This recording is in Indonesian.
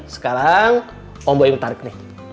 sekarang om boy tarik nih